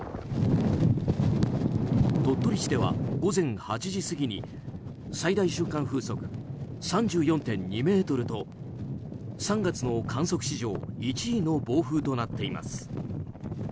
鳥取市では午前８時過ぎに最大瞬間風速３４．２メートルと３月の観測史上１位の暴風となっています。